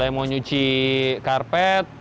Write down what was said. kalau mau nyuci karpet